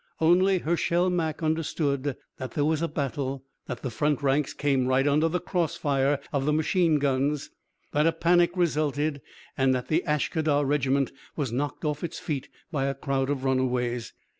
Only Hershel Mak understood that there was a battle, that the front ranks came right under the crossfire of the machine guns, that a panic resulted and that the Ashkadar regiment was knocked off its feet by a crowd of runaways.